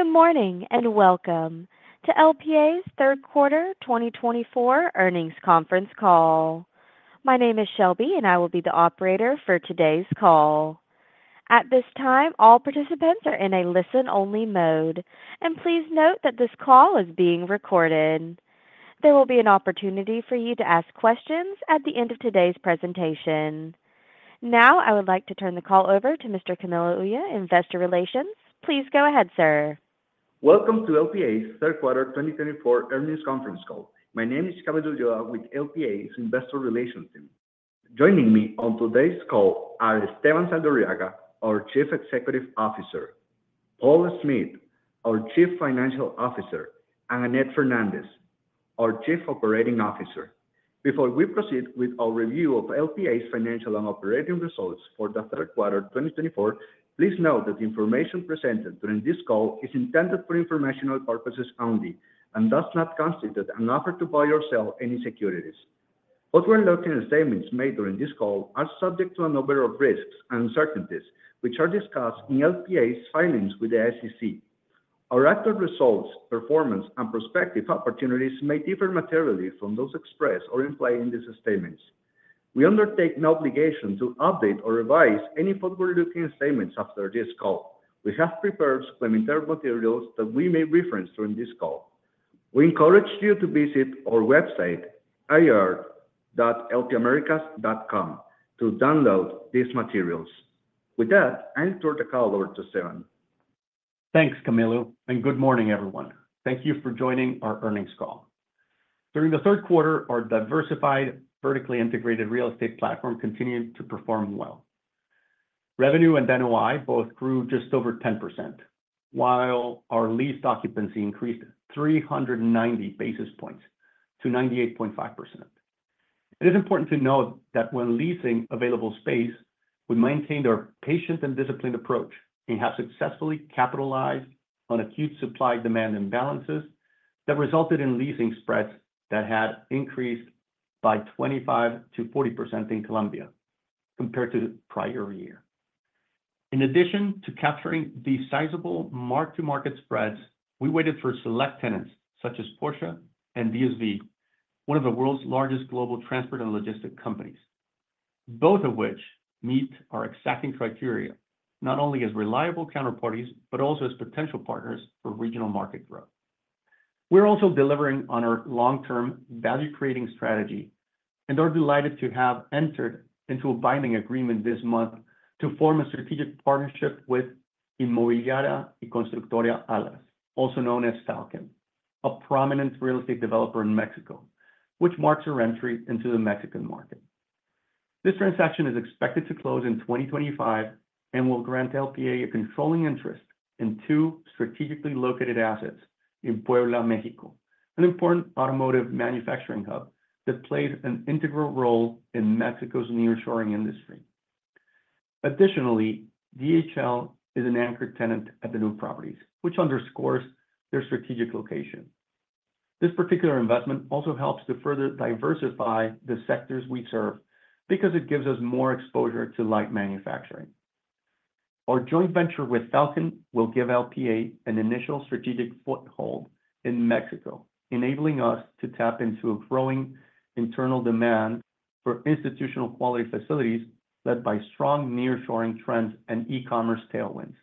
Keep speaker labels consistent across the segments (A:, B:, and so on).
A: Good morning and welcome to LPA's Third Quarter 2024 Earnings Conference Call. My name is Shelby, and I will be the operator for today's call. At this time, all participants are in a listen-only mode, and please note that this call is being recorded. There will be an opportunity for you to ask questions at the end of today's presentation. Now, I would like to turn the call over to Mr. Camilo Ulloa, Investor Relations. Please go ahead, sir.
B: Welcome to LPA's third quarter 2024 earnings conference call. My name is Camilo Ulloa with LPA's Investor Relations team. Joining me on today's call are Esteban Saldarriaga, our Chief Executive Officer, Paul Smith, our Chief Financial Officer, and Annette Fernandez, our Chief Operating Officer. Before we proceed with our review of LPA's financial and operating results for the third quarter 2024, please note that the information presented during this call is intended for informational purposes only and does not constitute an offer to buy or sell any securities. Forward-looking statements made during this call, are subject to a number of risks and uncertainties, which are discussed in LPA's filings with the SEC. Our actual results, performance, and prospective opportunities may differ materially from those expressed or implied in these statements. We undertake no obligation to update or revise any forward-looking statements after this call. We have prepared supplementary materials that we may reference during this call. We encourage you to visit our website, ir.lpamericas.com, to download these materials. With that, I'll turn the call over to Esteban.
C: Thanks, Camilo, and good morning, everyone. Thank you for joining our earnings call. During the third quarter, our diversified, vertically integrated real estate platform continued to perform well. Revenue and NOI both grew just over 10%, while our lease occupancy increased 390 basis points to 98.5%. It is important to note that when leasing available space, we maintained our patient and disciplined approach and have successfully capitalized on acute supply-demand imbalances that resulted in leasing spreads that had increased by 25%-40% in Colombia compared to the prior year. In addition to capturing these sizable mark-to-market spreads, we waited for select tenants such as Porsche and DSV, one of the world's largest global transport and logistics companies, both of which meet our exacting criteria not only as reliable counterparties but also as potential partners for regional market growth. We're also delivering on our long-term value-creating strategy and are delighted to have entered into a binding agreement this month to form a strategic partnership with Inmobiliaria y Constructora Alas, also known as Falcon, a prominent real estate developer in Mexico, which marks our entry into the Mexican market. This transaction is expected to close in 2025 and will grant LPA a controlling interest in two strategically located assets in Puebla, Mexico, an important automotive manufacturing hub that plays an integral role in Mexico's nearshoring industry. Additionally, DHL is an anchor tenant at the new properties, which underscores their strategic location. This particular investment also helps to further diversify the sectors we serve because it gives us more exposure to light manufacturing. Our joint venture with Falcon will give LPA an initial strategic foothold in Mexico, enabling us to tap into a growing internal demand for institutional-quality facilities led by strong nearshoring trends and e-commerce tailwinds.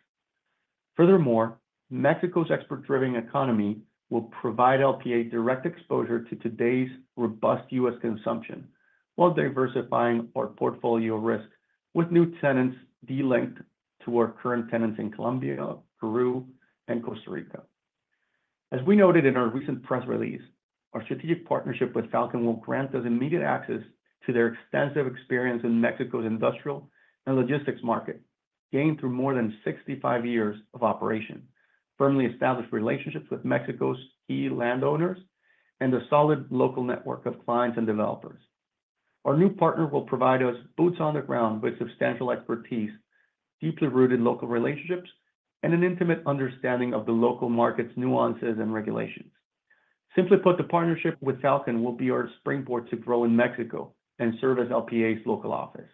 C: Furthermore, Mexico's export-driven economy will provide LPA direct exposure to today's robust U.S. consumption while diversifying our portfolio risk with new tenants delinked to our current tenants in Colombia, Peru, and Costa Rica. As we noted in our recent press release, our strategic partnership with Falcon will grant us immediate access to their extensive experience in Mexico's industrial and logistics market, gained through more than 65 years of operation, firmly established relationships with Mexico's key landowners, and a solid local network of clients and developers. Our new partner will provide us boots on the ground with substantial expertise, deeply rooted local relationships, and an intimate understanding of the local market's nuances and regulations. Simply put, the partnership with Falcon will be our springboard to grow in Mexico and serve as LPA's local office.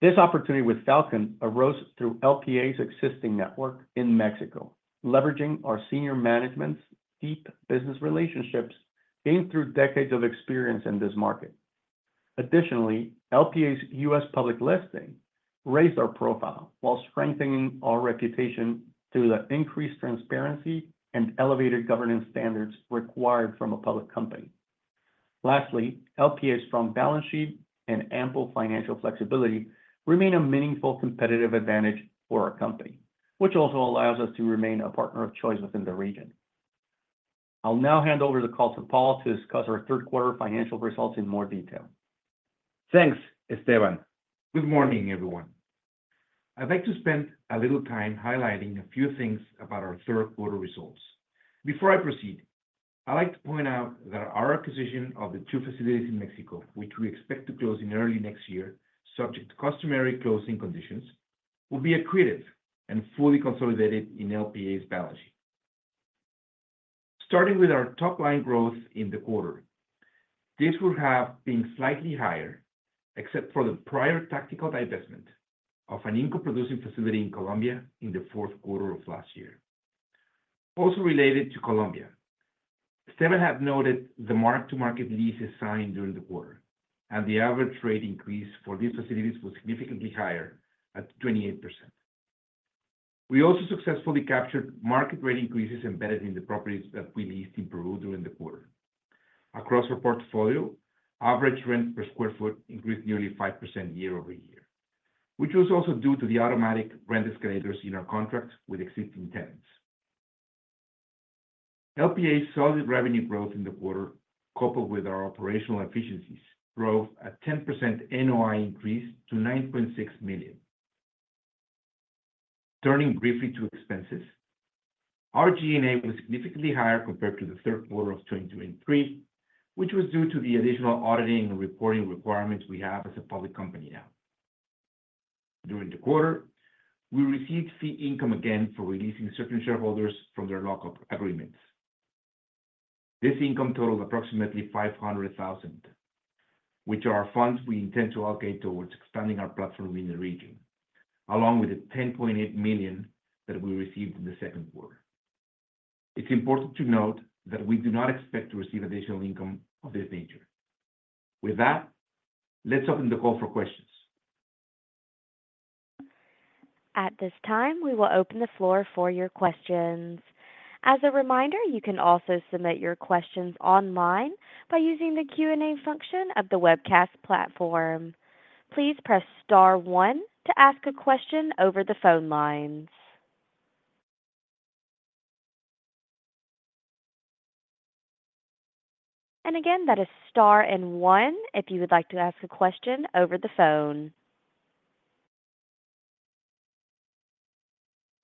C: This opportunity with Falcon arose through LPA's existing network in Mexico, leveraging our senior management's deep business relationships gained through decades of experience in this market. Additionally, LPA's U.S. public listing raised our profile while strengthening our reputation through the increased transparency and elevated governance standards required from a public company. Lastly, LPA's strong balance sheet and ample financial flexibility remain a meaningful competitive advantage for our company, which also allows us to remain a partner of choice within the region. I'll now hand over the call to Paul to discuss our third-quarter financial results in more detail.
D: Thanks, Esteban. Good morning, everyone. I'd like to spend a little time highlighting a few things about our third-quarter results. Before I proceed, I'd like to point out that our acquisition of the two facilities in Mexico, which we expect to close in early next year subject to customary closing conditions, will be accretive and fully consolidated in LPA's balance sheet. Starting with our top-line growth in the quarter, this would have been slightly higher except for the prior tactical divestment of an income-producing facility in Colombia in the fourth quarter of last year. Also related to Colombia, Esteban had noted the mark-to-market leases signed during the quarter, and the average rate increase for these facilities was significantly higher at 28%. We also successfully captured market-rate increases embedded in the properties that we leased in Peru during the quarter. Across our portfolio, average rent per sq ft increased nearly 5% year over year, which was also due to the automatic rent escalators in our contract with existing tenants. LPA's solid revenue growth in the quarter, coupled with our operational efficiencies, drove a 10% NOI increase to $9.6 million. Turning briefly to expenses, our G&A was significantly higher compared to the third quarter of 2023, which was due to the additional auditing and reporting requirements we have as a public company now. During the quarter, we received fee income again for releasing certain shareholders from their lock-up agreements. This income totaled approximately $500,000, which are funds we intend to allocate towards expanding our platform in the region, along with the $10.8 million that we received in the second quarter. It's important to note that we do not expect to receive additional income of this nature. With that, let's open the call for questions.
A: At this time, we will open the floor for your questions. As a reminder, you can also submit your questions online by using the Q&A function of the webcast platform. Please press Star 1 to ask a question over the phone lines, and again, that is Star and 1 if you would like to ask a question over the phone,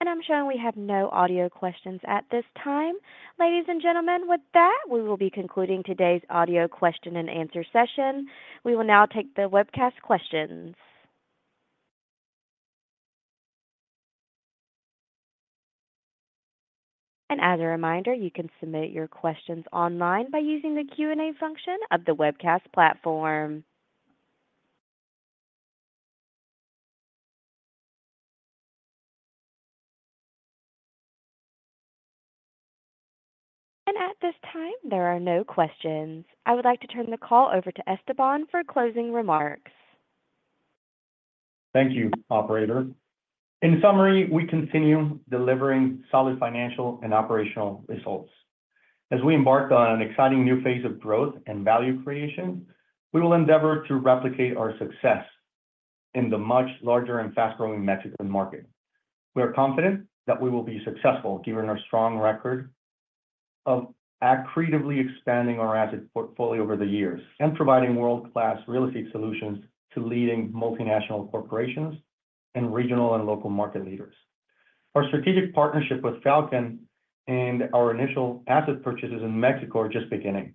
A: and I'm showing we have no audio questions at this time. Ladies and gentlemen, with that, we will be concluding today's audio question-and-answer session. We will now take the webcast questions, and as a reminder, you can submit your questions online by using the Q&A function of the webcast platform, and at this time, there are no questions. I would like to turn the call over to Esteban for closing remarks.
C: Thank you, Operator. In summary, we continue delivering solid financial and operational results. As we embark on an exciting new phase of growth and value creation, we will endeavor to replicate our success in the much larger and fast-growing Mexican market. We are confident that we will be successful given our strong record of accretively expanding our asset portfolio over the years and providing world-class real estate solutions to leading multinational corporations and regional and local market leaders. Our strategic partnership with Falcon and our initial asset purchases in Mexico are just beginning.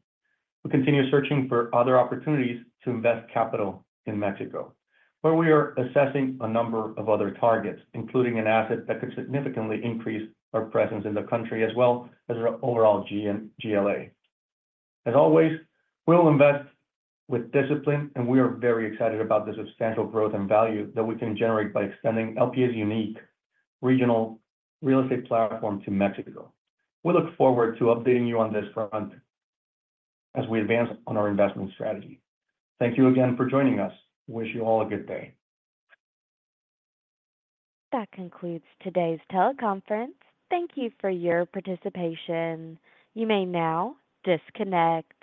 C: We continue searching for other opportunities to invest capital in Mexico, where we are assessing a number of other targets, including an asset that could significantly increase our presence in the country as well as our overall GLA. As always, we'll invest with discipline, and we are very excited about the substantial growth and value that we can generate by extending LPA's unique regional real estate platform to Mexico. We look forward to updating you on this front as we advance on our investment strategy. Thank you again for joining us. Wish you all a good day.
A: That concludes today's teleconference. Thank you for your participation. You may now disconnect.